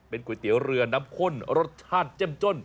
ก๋วยเตี๋ยวเรือน้ำข้นรสชาติเจ้มจ้น